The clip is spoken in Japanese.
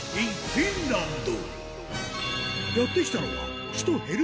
フィンランド！